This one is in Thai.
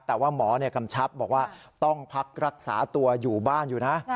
แต่ว่าหมอกำชับบอกว่าต้องพักรักษาตัวอยู่บ้านอยู่นะ